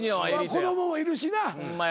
子供もいるしな。